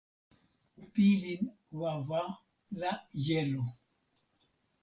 pilin wawa la jelo.